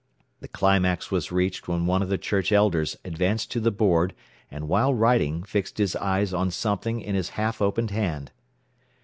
The climax was reached when one of the church elders advanced to the board, and while writing, fixed his eyes on something in his half opened hand.